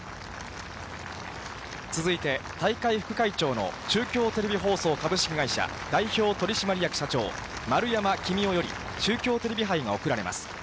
続いて、大会副会長の中京テレビ放送株式会社、代表取締役社長、丸山公夫より、中京テレビ杯が贈られます。